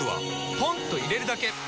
ポンと入れるだけ！